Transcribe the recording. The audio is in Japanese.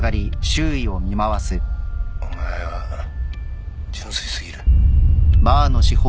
お前は純粋すぎる。